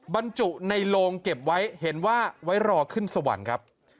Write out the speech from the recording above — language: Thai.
บรรจุในโลงเก็บไว้เห็นว่าไว้รอขึ้นสวรรค์ครับ